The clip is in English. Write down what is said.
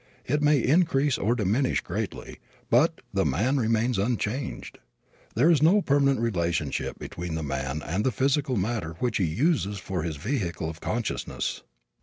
It may increase or diminish greatly, but the man remains unchanged. There is no permanent relationship between the man and the physical matter which he uses for his vehicle of consciousness.